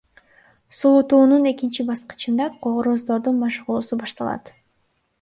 Суутуунун экинчи баскычында короздордун машыгуусу башталат.